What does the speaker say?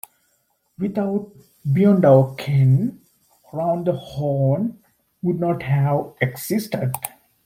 Without "Beyond Our Ken", "Round the Horne" would not have existed.